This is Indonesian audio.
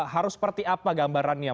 harus seperti apa gambarannya